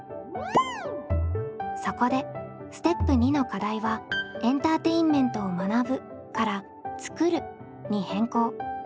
そこでステップ２の課題はエンターテインメントを「学ぶ」から「作る」に変更。